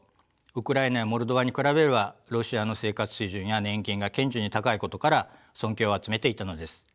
ウクライナやモルドバに比べればロシアの生活水準や年金が顕著に高いことから尊敬を集めていたのです。